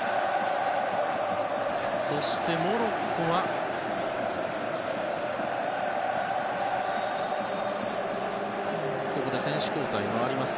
そして、モロッコはここで選手交代があります。